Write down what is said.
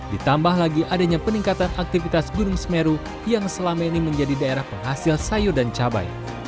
ditambah lagi adanya peningkatan aktivitas gunung semeru yang selama ini menjadi daerah penghasil sayur dan cabai